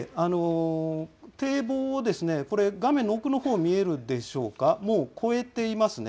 堤防を、これ、画面の奥のほう、見えるでしょうか、もう越えていますね。